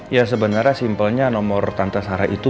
ya sebenarnya simpelnya nomor tante sarah itu